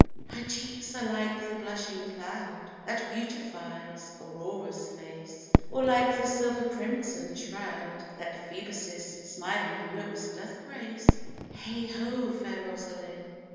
Her cheeks are like the blushing cloud That beautifies Aurora's face, Or like the silver crimson shroud That Phoebus' smiling looks doth grace; Heigh ho, fair Rosaline!